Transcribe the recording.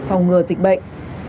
phòng ngừa dịch bệnh